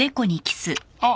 あっ。